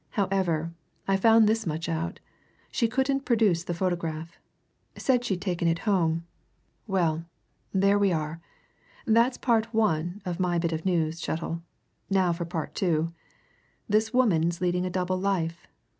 However, I found this much out she couldn't produce the photograph. Said she'd taken it home. Well there we are! That's part one of my bit of news, Chettle. Now for part two. This woman's leading a double life.